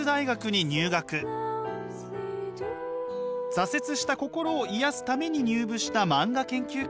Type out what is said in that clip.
挫折した心を癒やすために入部した漫画研究会。